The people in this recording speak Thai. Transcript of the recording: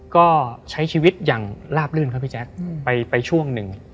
ก็ใช้ชีวิตอย่างลาบลื่นไปช่วงหนึ่ง